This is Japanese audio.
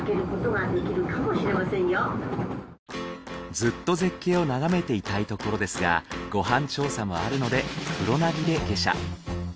ずっと絶景を眺めていたいところですがご飯調査もあるので黒薙で下車。